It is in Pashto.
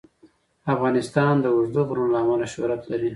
افغانستان د اوږده غرونه له امله شهرت لري.